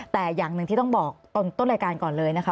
แต่อย่างหนึ่งที่ต้องบอกต้นรายการก่อนเลยนะคะ